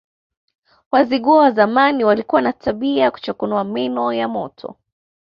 Wazigua wa zamani walikuwa na tabia ya kuchokonoa meno ya mtoto